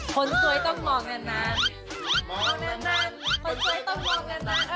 คนสวยต้องมองนานนาน